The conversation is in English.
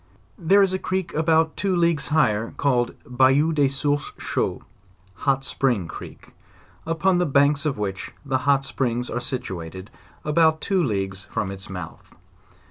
There is a creek about two leagues higher up, called "Bayou des sources chauds," (hot spring creek) upon the banks of which the hot springs are situated at about two leagues from its mouth.